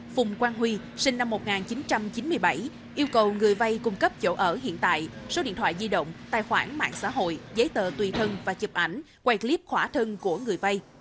phùng quang huy sinh năm một nghìn chín trăm chín mươi bảy yêu cầu người vay cung cấp chỗ ở hiện tại số điện thoại di động tài khoản mạng xã hội giấy tờ tùy thân và chụp ảnh quay clip khỏa thân của người vay